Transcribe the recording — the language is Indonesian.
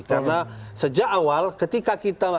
karena sejak awal ketika kita